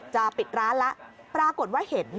จะปิดร้านแล้วปรากฏว่าเห็น